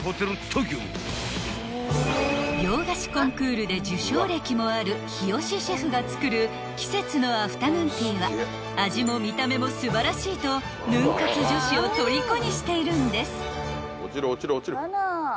［洋菓子コンクールで受賞歴もある日吉シェフが作る季節のアフタヌーンティーは味も見た目も素晴らしいとヌン活女子をとりこにしているんです］